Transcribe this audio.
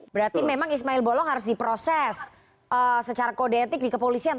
berarti memang ismail bolong harus diproses secara kode etik di kepolisian